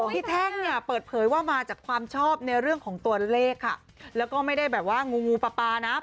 แท่งเนี่ยเปิดเผยว่ามาจากความชอบในเรื่องของตัวเลขค่ะแล้วก็ไม่ได้แบบว่างูงูปลาปลานะ